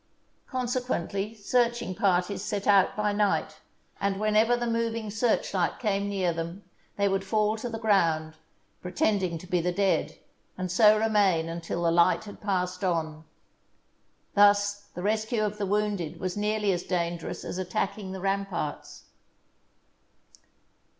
Consequently, searching parties set out by night, and whenever the moving searchlight came near them, they would fall to the ground, pretending to be the dead, and so remain until the light had passed on. Thus the rescue of the wounded was nearly as dangerous as attacking the ramparts.